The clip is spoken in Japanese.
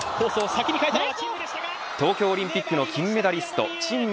東京オリンピックの金メダリスト陳夢